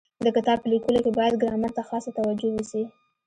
د کتاب په لیکلو کي باید ګرامر ته خاصه توجو وسي.